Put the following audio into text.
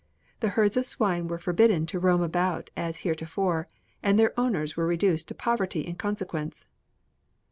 The herds of swine were forbidden to roam about as heretofore, and their owners were reduced to poverty in consequence."